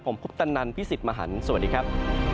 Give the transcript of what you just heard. ผมพุทธนันทร์พี่สิทธิ์มหันธ์สวัสดีครับ